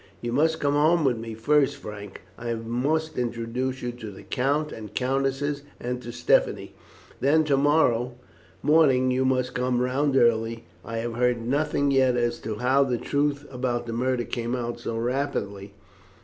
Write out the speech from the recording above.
"You must come home with me first, Frank. I must introduce you to the count and countess, and to Stephanie. Then to morrow morning you must come round early. I have heard nothing yet as to how the truth about that murder came out so rapidly.